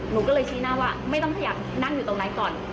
หนูก็เลยชี้หน้าว่าไม่ต้องขยับนั่งอยู่ตรงนั้นก่อน